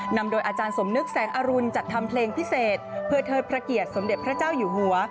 นำโดยอาจารย์สมนึกแสงอรุณจัดทำเพลงพิเศษเพื่อเทิดพระเกียรติสมเด็จพระเจ้าอยู่หัว